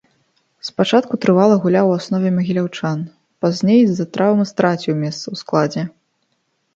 Спачатку трывала гуляў у аснове магіляўчан, пазней з-за траўмы страціў месца ў складзе.